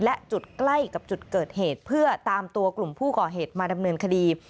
และจุดใกล้กับจุดเกิดเหตุเพื่อตามตัวกลุ่มผู้ก่อเหตุมาดำเนินคดี